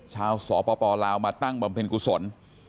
ชาวสปลาวมาตั้งบำเพ็ญกุศล